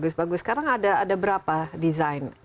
sekarang ada berapa desain sepedanya ini